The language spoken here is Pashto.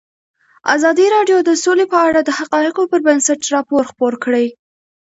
ازادي راډیو د سوله په اړه د حقایقو پر بنسټ راپور خپور کړی.